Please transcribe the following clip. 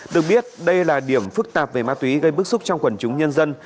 được biết đây là điểm phức tạp về ma túy gây bức xúc trong quần chúng nhân dân